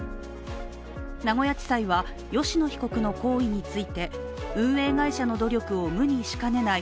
名古屋地裁は吉野被告の行為について運営会社の努力を無にしかねない